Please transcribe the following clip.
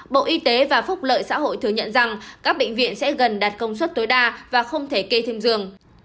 bộ y tế và phúc lợi xã hội thừa nhận rằng các bệnh viện sẽ gần đạt công suất tối đa và không thể kê thêm giường